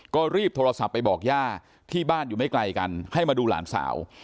ก็รีบโทรศัพท์ไปบอกย่าที่บ้านอยู่ไม่ไกลกันให้มาดูหลานสาว